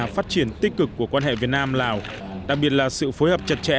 phát triển tích cực của quan hệ việt nam lào đặc biệt là sự phối hợp chặt chẽ